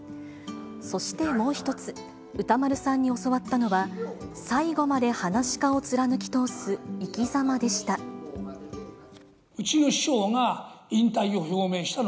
そしてもう一つ、歌丸さんに教わったのは、最後まではなし家を貫き通す生きざまでした。